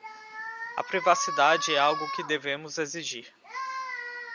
A privacidade é algo que devemos exigir.